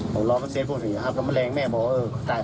โอ้โฮร้องมันเสียผู้หญิงครับแล้วแมลงแม่บอกว่าเออ